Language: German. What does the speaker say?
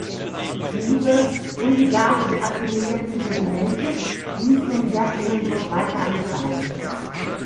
Diese und die Gase der assimilierten Sedimente ließen den Herd-Innendruck weiter ansteigen.